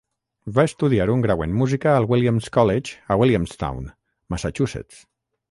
Va estudiar un grau en Música al Williams College a Williamstown, Massachusetts.